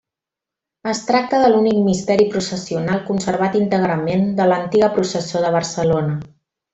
Es tracta de l'únic misteri processional conservat íntegrament de l'antiga processó de Barcelona.